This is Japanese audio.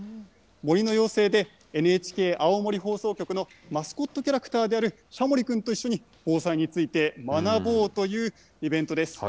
森の妖精で、ＮＨＫ青森放送局のマスコットキャラクターであるシャモリ君と一緒に、防災について学ぼうというイベントです。